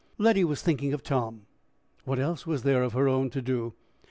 Letty was thinking of Tom what else was there of her own to do?